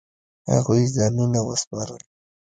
هغوی ځانونه وسپارل.